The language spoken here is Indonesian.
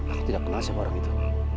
aku tidak kenal siapa orang itu